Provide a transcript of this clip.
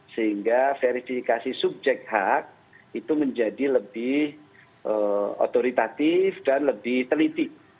sehingga verifikasi subjek hak itu menjadi lebih otoritatif dan lebih teliti